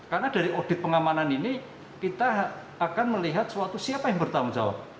karena dari audit pengamanan ini kita akan melihat siapa yang bertanggung jawab